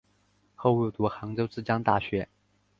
后入读杭州之江大学。